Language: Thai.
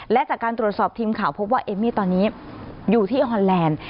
และจากการตรวจสอบทีมข่าวพบว่าเอมมี่ตอนนี้อยู่ที่ฮอนแลนด์